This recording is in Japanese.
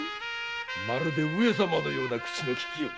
まるで上様のような口のききよう。